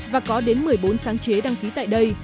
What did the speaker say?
và có đến một mươi bốn sáng chế đăng ký tại đây